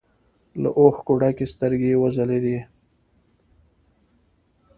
له اوښکو ډکې سترګې يې وځلېدې.